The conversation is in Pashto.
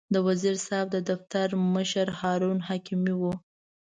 د وزیر صاحب د دفتر مشر هارون حکیمي و.